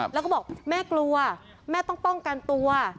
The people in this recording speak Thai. แล้วก็บอกแม่กลัวแม่ต้องป้องกันตัว